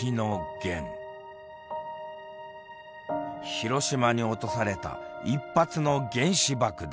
広島に落とされた１発の原子爆弾。